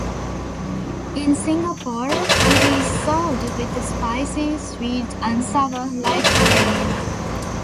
In Singapore, it is served with spicy, sweet and sour light gravy.